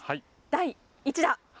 第１打。